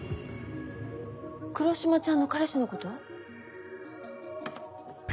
黒島ちゃんの彼氏のこと？